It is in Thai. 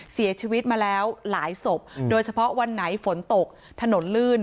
เสียชีวิตมาแล้วหลายศพโดยเฉพาะวันไหนฝนตกถนนลื่น